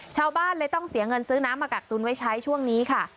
ชาวบ้านเลยต้องเสียเงินซื้อน้ำมากักตุนไว้ใช้ช่วงนี้ค่ะ